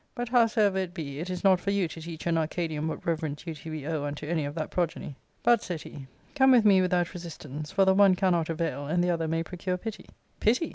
But, howsoever it be, it is not for you to teach an Arcadian what reverent duty we owe unto any of that progeny. But," said he, " conie with me without resistance ; ft>r the one cannot avail and the other may procure pity." " Pity